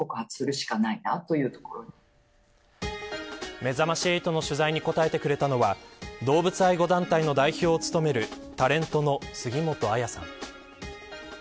めざまし８の取材に答えてくれたのは動物愛護団体の代表を務めるタレントの杉本彩さん。